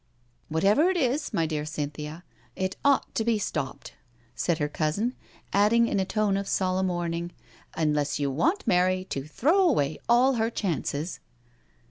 •••"" Whatever it b, my dear Cynthia, it ought to bei stopped," said her cousin, adding in a tone of solemn warning, " unless you want Mary to throw away all her chances."